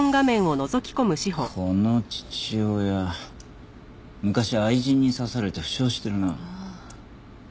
この父親昔愛人に刺されて負傷してるな。